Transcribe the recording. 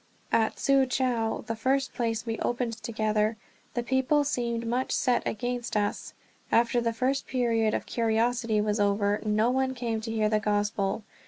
At Tzuchow, the first place we opened together, the people seemed much set against us. After the first period of curiosity was over, no one came to hear the Gospel.